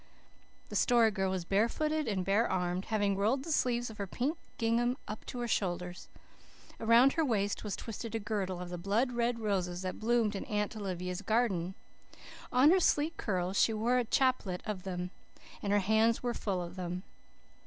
The Story Girl was barefooted and barearmed, having rolled the sleeves of her pink gingham up to her shoulders. Around her waist was twisted a girdle of the blood red roses that bloomed in Aunt Olivia's garden; on her sleek curls she wore a chaplet of them; and her hands were full of them.